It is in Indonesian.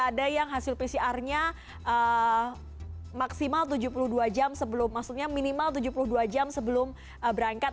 ada yang hasil pcr nya maksimal tujuh puluh dua jam sebelum maksudnya minimal tujuh puluh dua jam sebelum berangkat